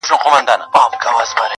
• ښځو پټېږی د مرګي وار دی -